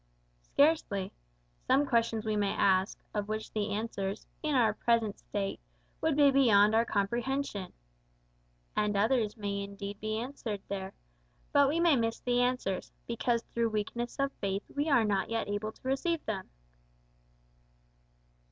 "Scarcely. Some questions we may ask, of which the answers, in our present state, would be beyond our comprehension. And others may indeed be answered there, but we may miss the answers, because through weakness of faith we are not yet able to receive them."